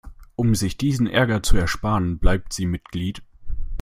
Um sich diesen Ärger zu ersparen, bleibt sie Mitglied.